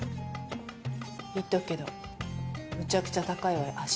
言っとくけどむちゃくちゃ高いわよあっ